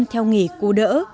theo nghề cô đỡ